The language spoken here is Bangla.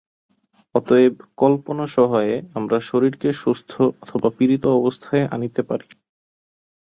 অতএব কল্পনা-সহায়ে আমরা শরীরকে সুস্থ অথবা পীড়িত অবস্থায় আনিতে পারি।